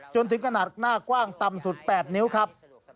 จนถึงขนาดหน้ากว้างต่ำสุด๘นิ้วครับ